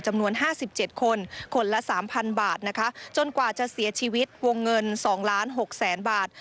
จำนวน๕๗คนคนละ๓๐๐บาทนะคะจนกว่าจะเสียชีวิตวงเงิน๒ล้าน๖แสนบาท